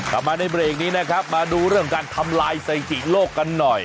กลับมาในเบรกนี้นะครับมาดูเรื่องการทำลายสถิติโลกกันหน่อย